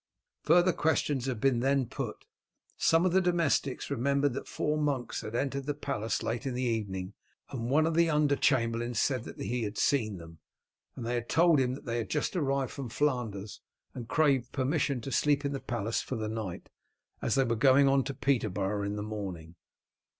Further questions had been then put. Some of the domestics remembered that four monks had entered the palace late in the evening, and one of the under chamberlains said that he had seen them, and they had told him that they had just arrived from Flanders, and craved permission to sleep in the palace for the night, as they were going on to Peterborough in the morning.